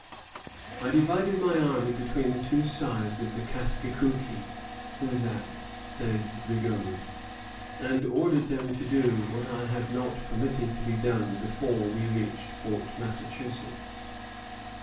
"I divided my army between the two sides of the Kaskékouké" (Hoosac), says Rigaud, "and ordered them to do what I had not permitted to be done before we reached Fort Massachusetts.